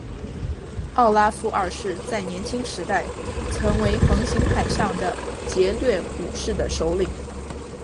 奥拉夫二世在年轻时代曾为横行海上的劫掠武士的首领。